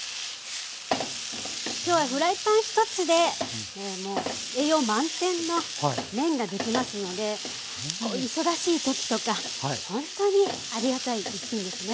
今日はフライパン一つで栄養満点の麺ができますので忙しい時とかほんとにありがたい一品ですね。